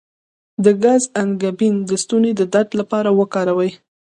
د ګز انګبین د ستوني د درد لپاره وکاروئ